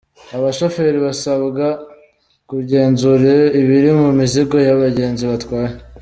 Abashoferi basabwa kugenzura ibiri mu mizigo y’abagenzi batwaye